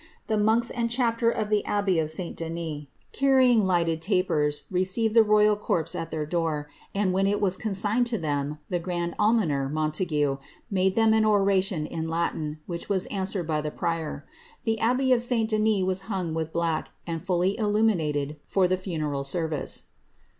The monks and chapter if the Abbey of St. Denis, carrying lighted tapers, received the royal *oq)se at their door, and when it was consigned to them, the grand dmoner, Montague, made them an oration in L^tin, which was answered IT the prior. The Abbey of St. Denis was hung with black, and fully duminated for the funeral service.